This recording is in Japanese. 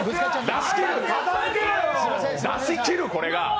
出し切る、これが。